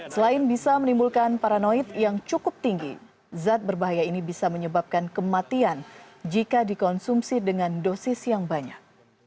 selain bisa menimbulkan paranoid yang cukup tinggi zat berbahaya ini bisa menyebabkan kematian jika dikonsumsi dengan dosis yang banyak